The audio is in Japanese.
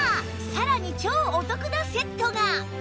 さらに超お得なセットが！